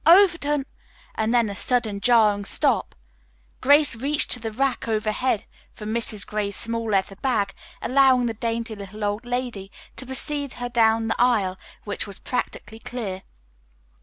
Overton!" and then a sudden jarring stop. Grace reached to the rack overhead for Mrs. Gray's small leather bag, allowing the dainty little old lady to precede her down the aisle which was practically clear.